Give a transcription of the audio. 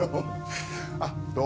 ああどうも。